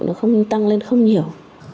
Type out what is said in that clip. nó không tăng lên không nhiều